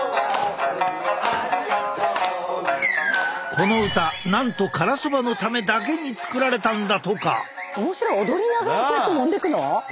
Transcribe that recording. この歌なんとからそばのためだけに作られたんだとか！